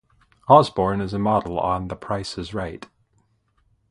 Osborne is a model on "The Price Is Right".